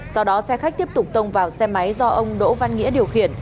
do đó xe khách tiếp tục tông vào xe máy do ông đỗ văn nghĩa điều khiển